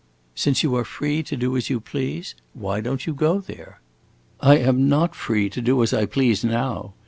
"Since you are free to do as you please, why don't you go there?" "I am not free to do as I please now.